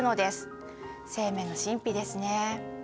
生命の神秘ですね。